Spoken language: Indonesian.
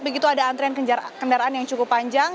begitu ada antrian kendaraan yang cukup panjang